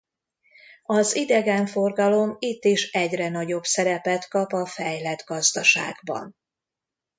Az idegenforgalom itt is egyre nagyobb szerepet kap a fejlett gazdaságban.